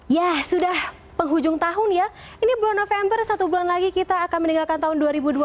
ya sudah penghujung tahun ya ini bulan november satu bulan lagi kita akan meninggalkan tahun dua ribu dua puluh